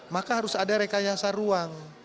maka harus ada rekayasa ruang